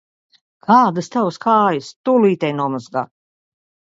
Kādas Tavas kājas! Tūlīt ej nomazgā!